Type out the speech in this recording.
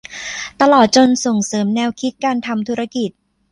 ตลอดจนส่งเสริมแนวคิดการทำธุรกิจ